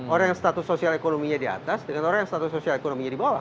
orang yang status sosial ekonominya di atas dengan orang yang status sosial ekonominya di bawah